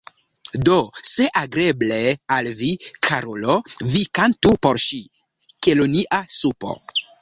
Do, se agrable al vi, karulo, vi kantu por ŝi 'Kelonia Supo’.